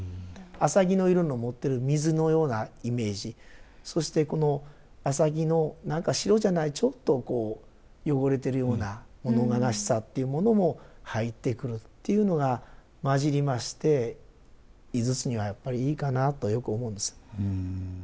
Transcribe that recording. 浅葱の色の持ってる水のようなイメージそしてこの浅葱の何か白じゃないちょっとこう汚れてるような物悲しさっていうものも入ってくるっていうのが混じりまして「井筒」にはやっぱりいいかなとよく思うんです。